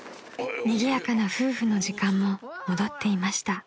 ［にぎやかな夫婦の時間も戻っていました］